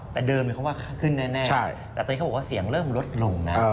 แต่เดิมเขาว่าขึ้นแน่แต่ตอนนี้เขาบอกว่าเสียงเริ่มลดลงนะ